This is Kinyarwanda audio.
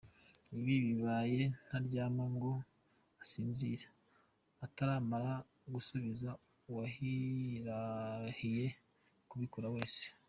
Iyo bibaye ntaryama ngo asinzire, ataramara gusubiza uwahirahiye kubikora wese.